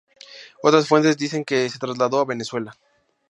Otras fuentes dicen que se trasladó a Venezuela.